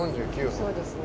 そうですね。